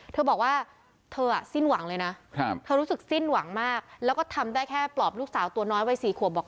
เธอบอกว่าเธอสิ้นหวังเลยนะเธอรู้สึกสิ้นหวังมากแล้วก็ทำได้แค่ปลอบลูกสาวตัวน้อยวัย๔ขวบบอก